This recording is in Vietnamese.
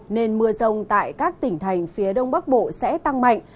nên mưa rông tại các tỉnh thành phía đông bắc bộ sẽ tăng mạnh